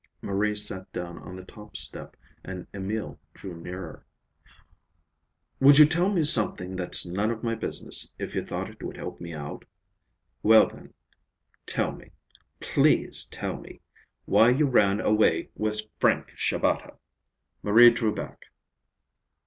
Marie sat down on the top step and Emil drew nearer. "Would you tell me something that's none of my business if you thought it would help me out? Well, then, tell me, please tell me, why you ran away with Frank Shabata!" Marie drew back.